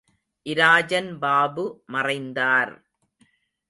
இராஜன் பாபு மறைந்தார்!